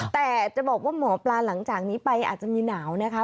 แต่จะบอกว่าหมอปลาหลังจากนี้ไปอาจจะมีหนาวนะคะ